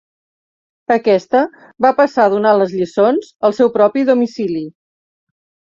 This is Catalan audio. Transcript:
Aquesta va passar a donar les lliçons al seu propi domicili.